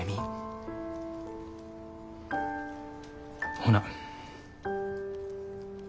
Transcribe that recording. ほな。